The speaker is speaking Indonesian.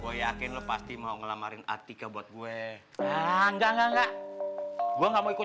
boya ke lo pasti mau ngelamarin artikel buat gue enggak enggak enggak gua enggak mau ikut